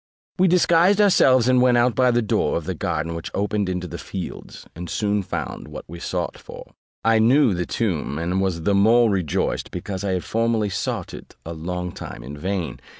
We disguised ourselves and went out by a door of the garden which opened into the fields, and soon found what we sought for. I knew the tomb, and was the more rejoiced, because I had formerly sought it a long time in vain.